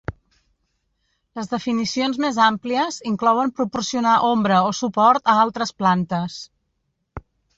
Les definicions més àmplies inclouen proporcionar ombra o suport a altres plantes.